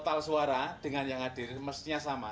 total suara dengan yang hadir mestinya sama